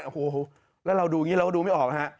โอ้โหแล้วเราดูอย่างนี้เราก็ดูไม่ออกฮะ